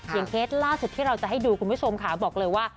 เคสล่าสุดที่เราจะให้ดูคุณผู้ชมค่ะบอกเลยว่า